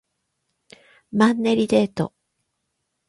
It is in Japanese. マンネリデート